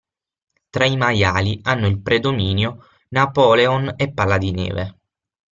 Tra i maiali hanno il predominio Napoleon e Palla di Neve.